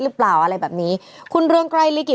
หรือเปล่าอะไรแบบนี้คุณเรืองไกรลิกิจ